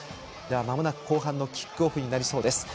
まもなく後半のキックオフになりそうです。